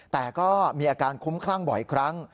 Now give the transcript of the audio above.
แต่ก็มีอาการคุ้มคลั่งบ่อยครั้ง